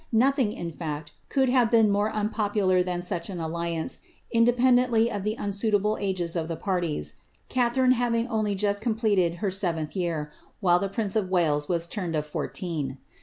Nothing, in fact, could < more unpopular than such an alliance, independently of the ages of the parties, Catharine having only just completed her ar, while the prince of Wales was turned of fourteen.